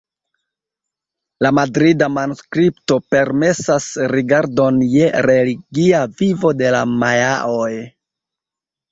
La Madrida manuskripto permesas rigardon je religia vivo de la majaoj.